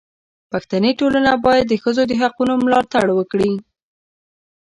پښتني ټولنه باید د ښځو د حقونو ملاتړ وکړي.